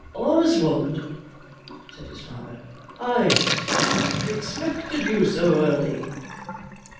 "Oswald!" said his father, "I hardly expected you so early."